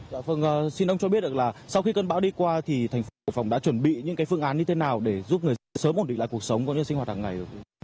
dạ vâng xin ông cho biết là sau khi cơn bão đi qua thì thành phố hải phòng đã chuẩn bị những cái phương án như thế nào để giúp người dân sớm ổn định lại cuộc sống cũng như sinh hoạt hàng ngày